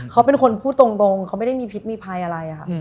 เขาเป็นคนพูดตรงเขาไม่ได้มีพิษมีภัยอะไรค่ะ